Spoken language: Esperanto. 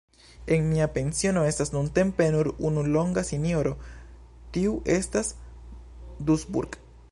En mia pensiono estas nuntempe nur unu longa sinjoro, tiu estas Dusburg.